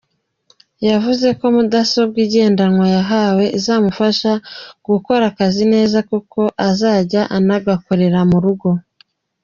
Yavuze ko mudasobwa igendanwa yahawe izamufasha gukora akazi neza, kuko azajya anagakorera mu rugo.